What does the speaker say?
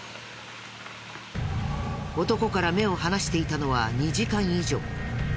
男から目を離していたのは２時間以上。